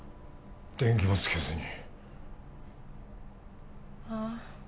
電気もつけずにああ